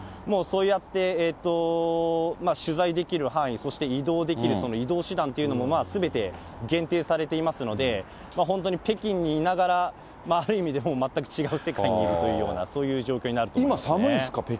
もうそうやって取材できる範囲、そして移動できる移動手段というのも、すべて限定されていますので、本当に北京にいながらある意味で、もう全く違う世界にいるというような、今寒いんですか？